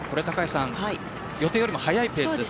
予定よりも速いペースです。